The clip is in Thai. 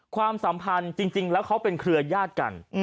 ความสัมพันธ์จริงแล้วเขาเป็นเครือญาติกัน